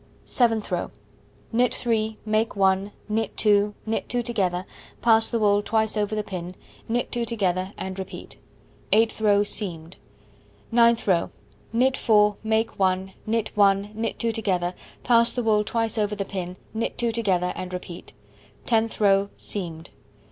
Seventh row: Knit 3, make 1, knit 2, knit 2 together, pass the wool twice over the pin, knit 2 together, and repeat. Eighth row: Seamed. Ninth row: Knit 4, make 1, knit 1, knit 2 together, pass the wool twice over the pin, knit 2 together, and repeat. Tenth row: Seamed.